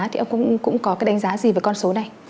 thì ông cũng có cái đánh giá gì về con số này